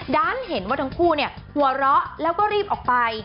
ด้านเห็นว่าทั้งคู่หัวเราะแล้วก็รีบออกไป